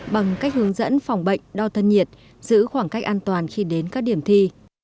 bằng cách hướng dẫn phòng bệnh đo thân nhiệt giữ khoảng cách an toàn khi đến các điểm thi